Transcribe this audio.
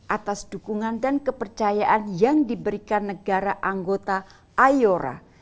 atas dukungan dan kepercayaan yang diberikan negara anggota ayora